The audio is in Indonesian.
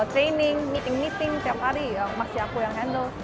training meeting meeting tiap hari masih aku yang handle